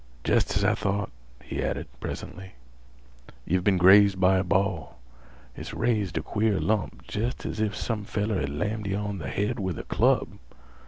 "Jest as I thought," he added, presently. "Yeh've been grazed by a ball. It's raised a queer lump jest as if some feller had lammed yeh on th' head with a club.